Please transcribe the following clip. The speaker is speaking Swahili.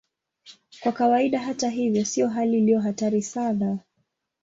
Kwa kawaida, hata hivyo, sio hali iliyo hatari sana.